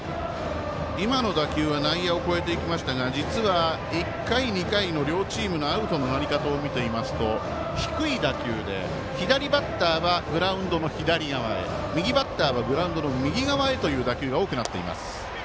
今の打球は内野を越えていきましたが実は１回、２回の両チームのアウトのとり方を見ていますと低い打球で左バッターはグラウンドの左へ右バッターはグラウンドの右側が多くなっています。